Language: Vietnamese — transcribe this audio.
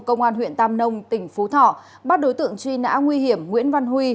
công an huyện tam nông tỉnh phú thọ bắt đối tượng truy nã nguy hiểm nguyễn văn huy